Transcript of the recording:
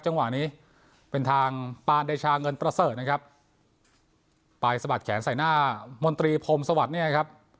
จังหวะนี้เป็นทางปานเดชาเงินประเสริฐนะครับไปสะบัดแขนใส่หน้ามนตรีพรมสวัสดิ์เนี่ยครับ